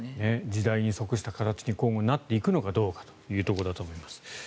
時代に即した形に今後なっていくのかどうかというところだと思います。